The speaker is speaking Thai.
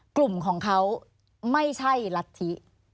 กลุ่มของเขาไม่ใช่รัฐธิ